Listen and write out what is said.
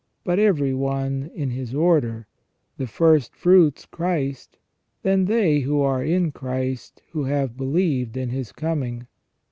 But every one in his order ; the first fruits Christ, then they who are in Christ, who have believed in His coming.